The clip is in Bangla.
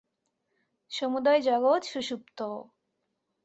সমুদয় জগৎ সুষুপ্ত।